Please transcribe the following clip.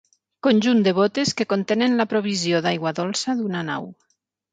Conjunt de bótes que contenen la provisió d'aigua dolça d'una nau.